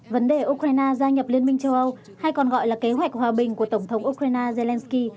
vấn đề ukraine gia nhập liên minh châu âu hay còn gọi là kế hoạch hòa bình của tổng thống ukraine zelensky